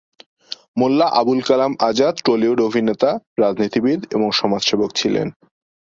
মোল্লা আবুল কালাম আজাদ টলিউড অভিনেতা, রাজনীতিবিদ এবং সমাজসেবক ছিলেন।